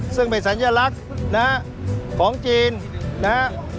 ซึ่งเป็นสัญญาณรักนะของจีนนะ